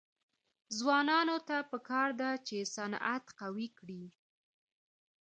ځوانانو ته پکار ده چې، صنعت قوي کړي.